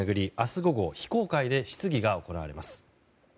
午後非公開で質疑が行われます。